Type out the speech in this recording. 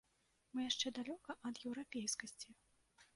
Мы яшчэ далёка ад еўрапейскасці?